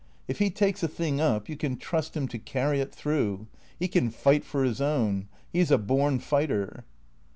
" If he takes a thing up you can trust him to carry it through. He can fight for his own. He 's a born fighter."